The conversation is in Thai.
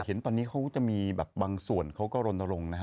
เห็นตอนนี้เขาจะมีแบบบางส่วนเขาก็รณรงค์นะฮะ